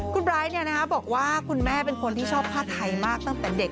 คุณไบร์ทบอกว่าคุณแม่เป็นคนที่ชอบผ้าไทยมากตั้งแต่เด็ก